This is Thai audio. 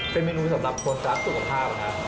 เป็นเมนูสำหรับคนสาสุกผลาบครับ